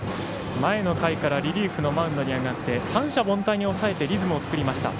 前の回からリリーフのマウンドに上がって三者凡退に抑えてリズムを作りました。